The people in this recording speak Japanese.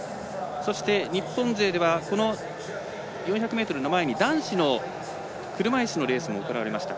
そして日本勢では４００ｍの前に男子の車いすのレースも行われました。